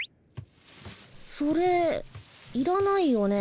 それいらないよね？